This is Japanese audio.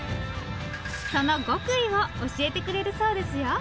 その極意を教えてくれるそうですよ。